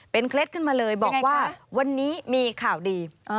เคล็ดขึ้นมาเลยบอกว่าวันนี้มีข่าวดี